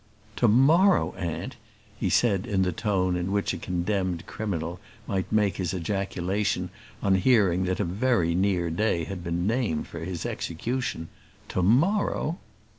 "To morrow, aunt!" he said, in the tone in which a condemned criminal might make his ejaculation on hearing that a very near day had been named for his execution. "To morrow!"